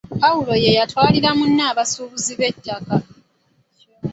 Pawulo ye yatwalira munne abasuubuzi b'ettaka!